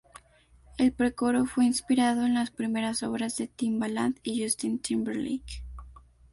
El pre-coro fue inspirado en las primeras obras de Timbaland y Justin Timberlake.